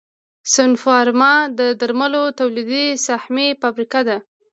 سنوفارما د درملو تولیدي سهامي فابریکه ده